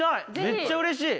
めっちゃうれしい！